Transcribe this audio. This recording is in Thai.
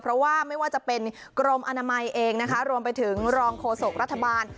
เพราะว่าไม่ว่าจะเป็นกรมอนามัยเองนะคะรวมไปถึงรองโฆษกรัฐบาล